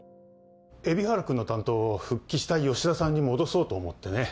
海老原君の担当を復帰した吉田さんに戻そうと思ってね